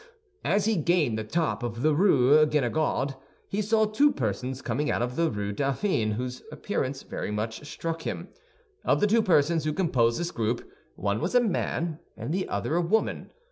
As he gained the top of the Rue Guénegaud, he saw two persons coming out of the Rue Dauphine whose appearance very much struck him. Of the two persons who composed this group, one was a man and the other a woman.